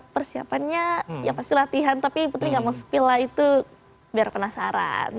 persiapannya ya pasti latihan tapi putri gak mau spill lah itu biar penasaran